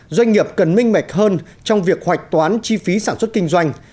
doanh nghiệp cần minh mạch hơn trong việc hoạch toán chi phí sản xuất kinh doanh